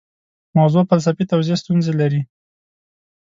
موضوع فلسفي توضیح ستونزې لري.